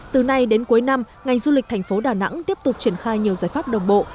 từ nay đến cuối năm ngành du lịch thành phố đà nẵng tiếp tục triển khai nhiều giải pháp đồng bộ